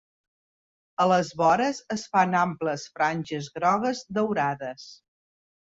A les vores es fan amples franges grogues daurades.